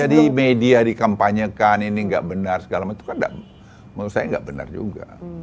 jadi media dikampanyekan ini nggak benar segala macam itu kan menurut saya nggak benar juga